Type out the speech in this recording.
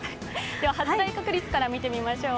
発雷確率から見てみましょう。